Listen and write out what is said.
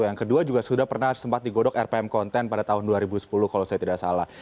yang kedua juga sudah pernah sempat digodok rpm konten pada tahun dua ribu sepuluh kalau saya tidak salah